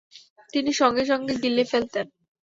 তিনি সঙ্গে সঙ্গে গিলে ফেলতেন।